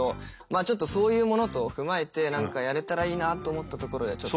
あちょっとそういうものとを踏まえて何かやれたらいいなと思ったところでちょっと。